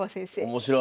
面白い。